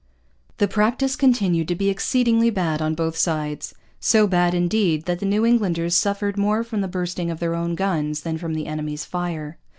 The practice continued to be exceedingly bad on both sides; so bad, indeed, that the New Englanders suffered more from the bursting of their own guns than from the enemy's fire.